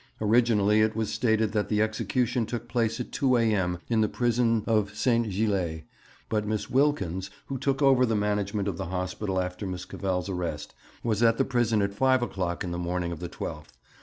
Originally it was stated that the execution took place at 2 a.m. in the prison of St. Gilles, but Miss Wilkins, who took over the management of the hospital after Miss Cavell's arrest, was at the prison at five o'clock on the morning of the 12th.